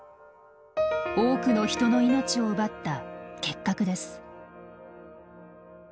多くの人の命を奪った結核です。